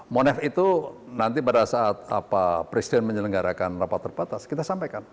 monef itu nanti pada saat presiden menyelenggarakan rapat terbatas kita sampaikan